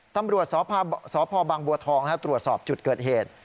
ตำรวจสพบังบัวทองตรวจสอบจุดเกิดเหตุ